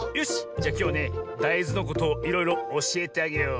じゃきょうねだいずのことをいろいろおしえてあげよう。